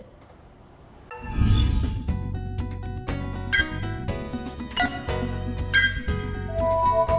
cảnh sát điều tra bộ công an